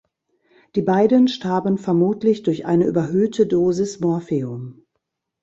Die beiden starben vermutlich durch eine überhöhte Dosis Morphium.